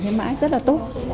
thế mãi rất là tốt